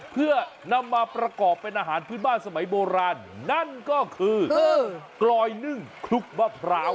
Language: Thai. เพื่อนำมาประกอบเป็นอาหารพื้นบ้านสมัยโบราณนั่นก็คือกลอยนึ่งคลุกมะพร้าว